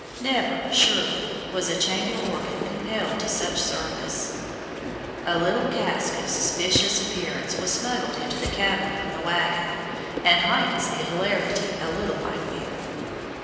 Never, surely was a chamber organ compelled to such service. A little cask of suspicious appearance was smuggled into the cabin from the wagon, and heightens the hilarity a little, I fear.